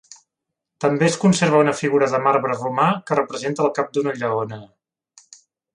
També es conserva una figura de marbre romà que representa el cap d'una lleona.